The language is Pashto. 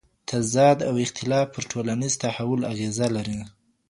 تضاد او اختلاف پر ټولنیز تحول اغېزه لري.